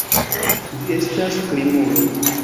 Vi estas krimulo.